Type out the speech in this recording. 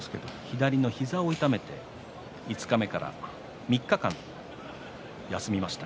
左の膝を痛めて五日目から３日間休みました。